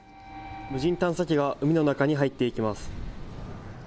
無人探査機が海の中に入っていきます。